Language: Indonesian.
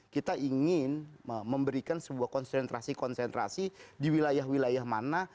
kita ingin memberikan sebuah konsentrasi konsentrasi di wilayah wilayah mana